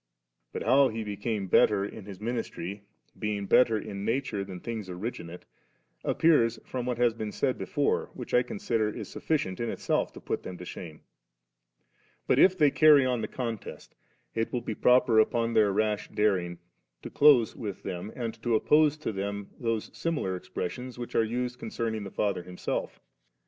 But how He became better in ffii ministry, being better in nature than things originate, appears from what has been said before, which, I consider, is sufficient in itself to put them to shame. But if they carry on the contest, it will be proper upon their rash daring to close with them, and to oppose to them those similar expressions which are used concerning the Father Himself.